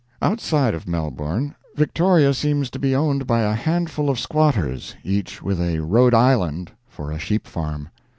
Outside of Melbourne, Victoria seems to be owned by a handful of squatters, each with a Rhode Island for a sheep farm.